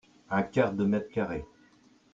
Un quart de mètre-carré.